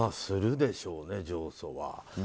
するでしょうね、上訴は。